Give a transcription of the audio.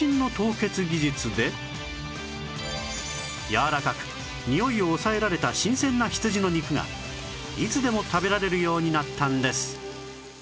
このやわらかくニオイを抑えられた新鮮な羊の肉がいつでも食べられるようになったんです